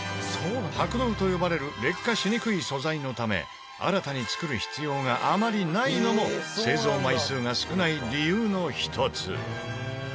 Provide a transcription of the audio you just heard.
白銅と呼ばれる劣化しにくい素材のため新たにつくる必要があまりないのも製造枚数が少ない理由の一つ。